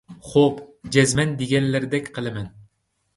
خوپ، جەزمەن دېگەنلىرىدەك قىلىمەن.